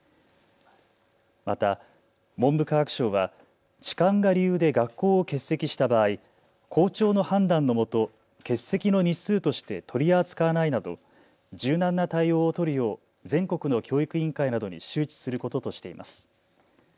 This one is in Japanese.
また文部科学省は痴漢が理由で学校を欠席した場合、校長の判断のもと欠席の日数として取り扱わないなど柔軟な対応を取るよう全国の教育委員会などに周知することとしています。